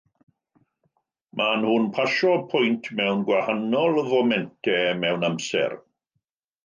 Maen nhw'n pasio pwynt mewn gwahanol fomentau mewn amser.